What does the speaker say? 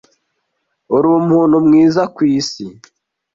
uri umuntu mwiza kw isi